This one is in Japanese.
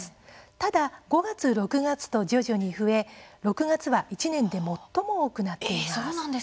ただ５月、６月と徐々に増え６月は１年で最も多くなっています。